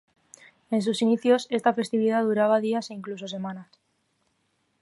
En sus inicios, esta festividad duraba días e incluso semanas.